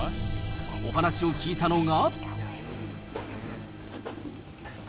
お話を聞いたのが。